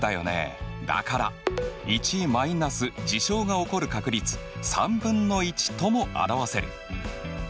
だから１マイナス事象が起こる確率３分の１とも表せる。